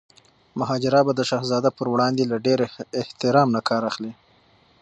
مهاراجا به د شهزاده پر وړاندي له ډیر احترام نه کار اخلي.